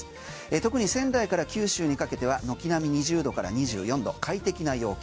特に仙台から九州にかけては軒並み２０度から２４度快適な陽気。